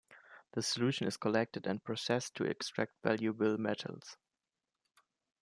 The solution is collected and processed to extract valuable metals.